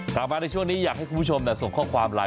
กลับมาในช่วงนี้อยากให้คุณผู้ชมส่งข้อความไลน